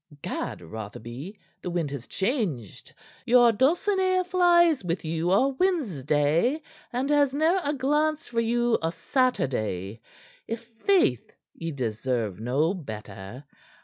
"Gad! Rotherby, the wind has changed! Your Dulcinea flies with you o' Wednesday, and has ne'er a glance for you o' Saturday! I' faith! ye deserve no better.